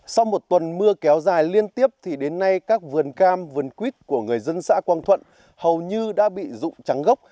sau một tuần mưa kéo dài liên tiếp thì đến nay các vườn cam vườn quýt của người dân xã quang thuận hầu như đã bị rụng trắng gốc